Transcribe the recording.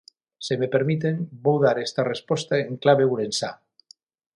Se me permiten, vou dar esta resposta en clave ourensá.